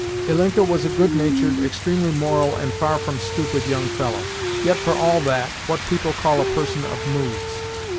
Ilinka was a good natured, extremely moral, and far from stupid young fellow; yet, for all that, what people call a person of moods.